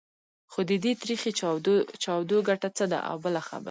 خو د دې تریخې چاودو ګټه څه ده؟ او بله خبره.